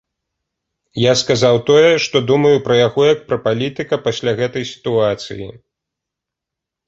Я сказаў тое, што думаю пра яго, як пра палітыка пасля гэтай сітуацыі.